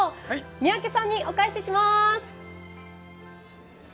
三宅さんにお返しします！